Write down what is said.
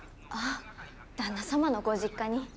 ああ旦那様のご実家に。